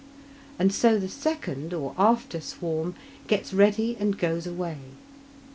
And so the second, or after swarm, gets ready and goes away.